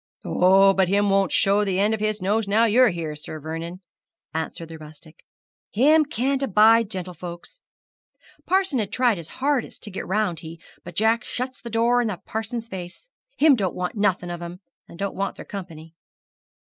'Oh, but him won't show the end of his nose now you're here, Sir Vernon,' answered the rustic. 'Him can't abide gentlefolks. Parson ha' tried his hardest to get round he, but Jack shuts the door in parson's face. Him don't want nothing of 'em, and don't want their company.'